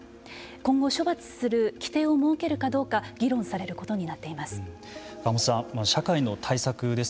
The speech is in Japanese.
今後、処罰する規定を設けるかどうか議論されることになっています。